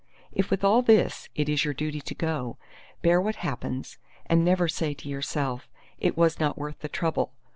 If with all this, it is your duty to go, bear what happens, and never say to yourself, It was not worth the trouble!